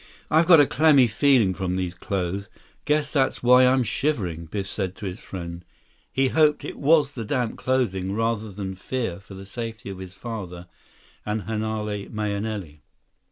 "I've got a clammy feeling from these clothes. Guess that's why I'm shivering," Biff said to his friend. He hoped it was the damp clothing, rather than fear for the safety of his father and Hanale Mahenili.